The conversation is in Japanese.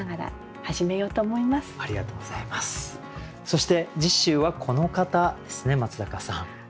そして次週はこの方ですね松坂さん。